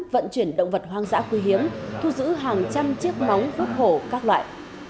vận chuyển động vật hoang dã khuy hiếm thu giữ hàng trăm chiếc móng vút hổ các loại